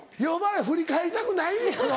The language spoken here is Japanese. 振り返りたくないんやろ。